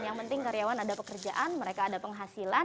yang penting karyawan ada pekerjaan mereka ada penghasilan